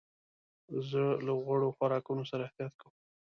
زه له غوړو خوراکونو سره احتياط کوم.